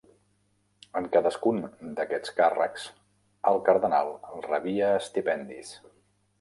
En cadascun d'aquests càrrecs el cardenal rebia estipendis.